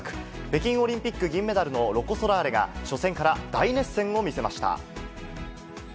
北京オリンピック銀メダルのロコ・ソラーレが初戦から大熱戦を見せました。